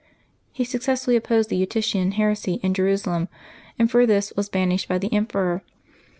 He successfully opposed the Eutychian heresy in Jerusalem, and for this was banished by the em peror.